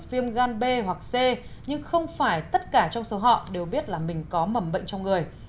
nhiều người có thể bị viêm gan b hoặc c nhưng không phải tất cả trong số họ đều biết là mình có mầm bệnh trong người